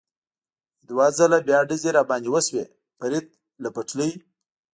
دوه ځله بیا ډزې را باندې وشوې، فرید له پټلۍ.